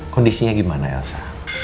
kondisinya gimana elsa